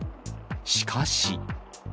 しかし。